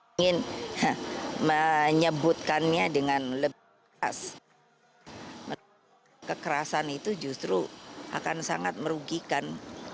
ingin menyebutkannya dengan lebih keras kekerasan itu justru akan sangat merugikan